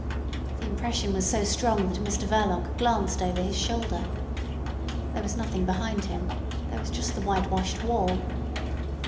The impression was so strong that Mr Verloc glanced over his shoulder. There was nothing behind him: there was just the whitewashed wall.